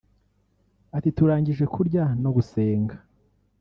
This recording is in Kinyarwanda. Ati “Turangije kurya no gusenga